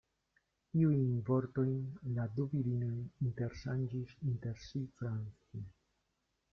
Tiujn vortojn la du virinoj interŝanĝis inter si france.